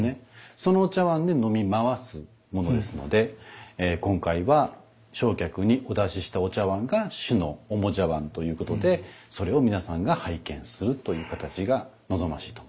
そのお茶碗で飲み回すものですので今回は正客にお出ししたお茶碗が主の主茶碗ということでそれを皆さんが拝見するという形が望ましいと思います。